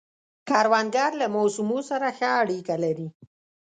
کروندګر له موسمو سره ښه اړیکه لري